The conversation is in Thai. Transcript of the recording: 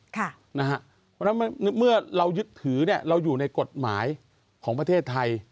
เพราะฉะนั้นเมื่อเรายึดถือเราอยู่ในกฎหมายของประเทศไทย